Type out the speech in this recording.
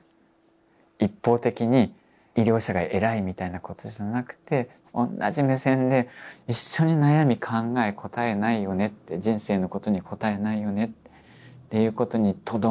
一方的に医療者が偉いみたいなことじゃなくて同じ目線で一緒に悩み考え答え無いよねって人生のことに答え無いよねっていうことにとどまる